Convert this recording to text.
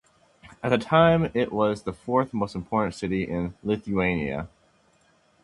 At the time it was the fourth most important city in Lithuania.